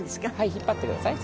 引っ張ってください。